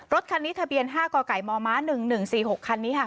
รถคันนี้ทะเบียน๕กมม๑๑๔๖คันนี้ค่ะ